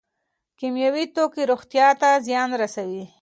کیمیاوي توکي روغتیا ته زیان رسوي.